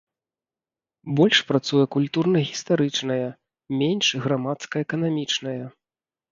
Больш працуе культурна-гістарычная, менш грамадска-эканамічная.